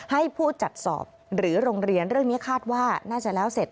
ให้ผู้จัดสอบหรือโรงเรียนเรื่องนี้คาดว่าน่าจะแล้วเสร็จ